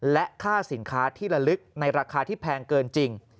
และค่าสินค้าที่ละลึกในราคาที่แพงเกินจริง